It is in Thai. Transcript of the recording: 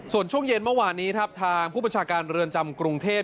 ส่วนช่วงเย็นเมื่อวานนี้ครับทางผู้บัญชาการเรือนจำกรุงเทพ